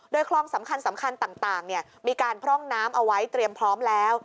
โดยคลองสำคัญต่างมีการพร่องน้ำเอาไว้เตรียมพร้อมแล้ว